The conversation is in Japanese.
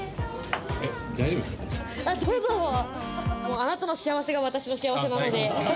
あなたの幸せが私の幸せなので。